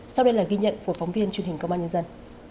sau đây là ghi nhận của phóng viên truyền hình công an nhân dân